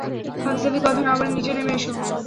হাবিজাবি কথা না বলে নিচে নেমে এসো।